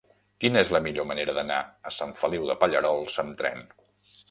Quina és la millor manera d'anar a Sant Feliu de Pallerols amb tren?